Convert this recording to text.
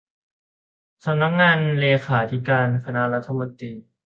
สำนักงานเลขาธิการคณะรัฐมนตรี